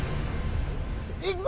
「いくぞ！